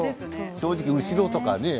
正直、後ろとかね。